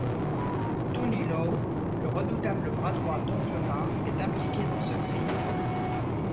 Tony Lau, le redoutable bras droit d'Oncle Ma, est impliqué dans ce crime.